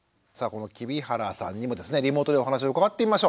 この黍原さんにもですねリモートでお話を伺ってみましょう。